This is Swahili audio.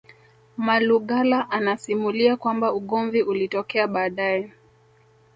Malugala anasimulia kwamba ugomvi ulitokea baadae